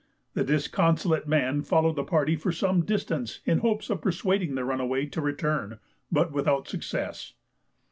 The disconsolate man followed the party for some distance in hopes of persuading the runaway to return, but without success.